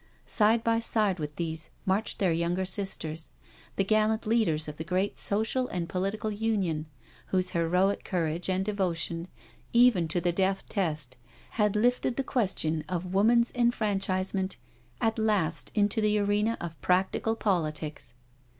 Side by side with these marched their younger sisters, the gallant leaders of the great Social and Political Union, whose heroic courage and devotion, even to the death test, had lifted the question of Woman's Enfranchisement at last into the arena of practical politics.